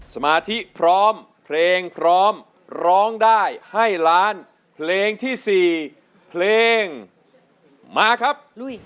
สมาธิพร้อมเพลงพร้อมร้องได้ให้ล้านเพลงที่๔เพลงมาครับ